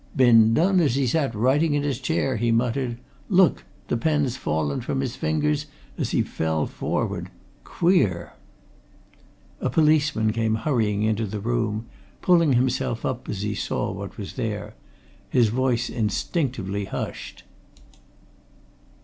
"Been done as he sat writing in his chair," he muttered. "Look the pen's fallen from his fingers as he fell forward. Queer!" A policeman came hurrying into the room, pulling himself up as he saw what was there. His voice instinctively hushed. "Dr.